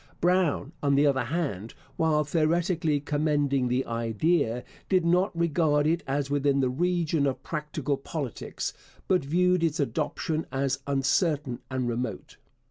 Brown, on the other hand, while theoretically commending the idea, did not regard it as within the region of practical politics, but viewed its adoption as 'uncertain and remote.'